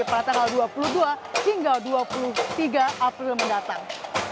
pada tanggal dua puluh dua hingga dua puluh tiga april mendatang